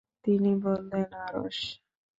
তিনি বললেন, আরশ।